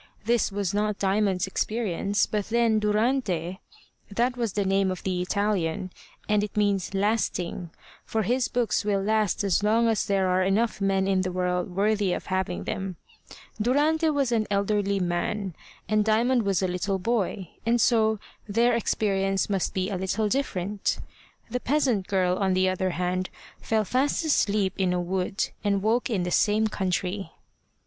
This was not Diamond's experience, but then Durante that was the name of the Italian, and it means Lasting, for his books will last as long as there are enough men in the world worthy of having them Durante was an elderly man, and Diamond was a little boy, and so their experience must be a little different. The peasant girl, on the other hand, fell fast asleep in a wood, and woke in the same country.